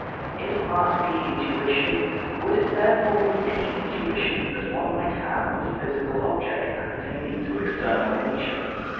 If art be intuition, would it therefore be any intuition that one might have of a physical object, appertaining to external nature?